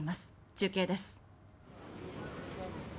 中継です。